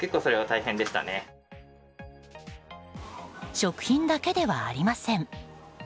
食品だけではありません。